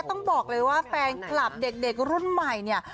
ต้องบอกเลยว่าแฟนคลับเด็กรุ่นใหม่เนี่ย